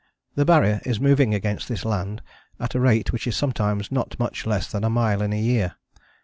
The Barrier is moving against this land at a rate which is sometimes not much less than a mile in a year.